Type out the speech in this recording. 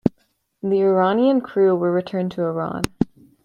The Iranian crew were returned to Iran.